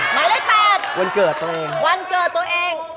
หมายเลข๘วันเกิดตัวเอง